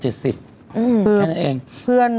แค่นั้นเอง